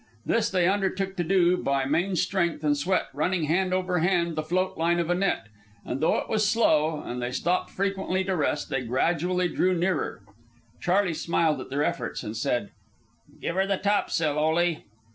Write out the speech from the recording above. This they undertook to do, by main strength and sweat, running hand over hand the float line of a net. And though it was slow, and they stopped frequently to rest, they gradually drew nearer. Charley smiled at their efforts, and said, "Give her the topsail, Ole."